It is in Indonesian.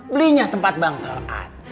belinya tempat bangtoan